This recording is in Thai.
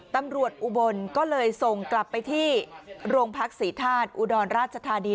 อุบลก็เลยส่งกลับไปที่โรงพักศรีธาตุอุดรราชธานี